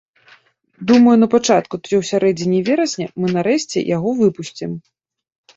Думаю, на пачатку ці ў сярэдзіне верасня мы нарэшце яго выпусцім.